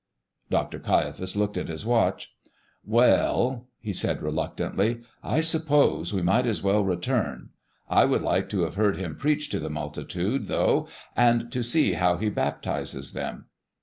Dr. Caiaphas looked at his watch. "Well," he said, reluctantly, "I suppose we might as well return. I would like to have heard him preach to the multitude, though, and to see how he baptizes them.